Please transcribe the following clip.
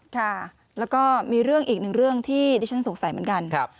ค่ะแล้วก็มีเรื่องอีกหนึ่งเรื่องที่ดิฉันสงสัยเหมือนกัน